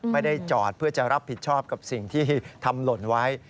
ไม่ได้จอดเพื่อจะรับผิดชอบกับสิ่งที่ทำหล่นไว้